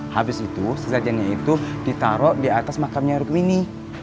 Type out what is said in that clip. habis itu sesajennya itu ditaruh di atas makam nyari kumini